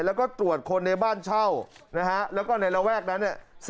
แล้วก็ตรวจคนในบ้านเช่านะฮะแล้วก็ในระแวกนั้นเนี่ย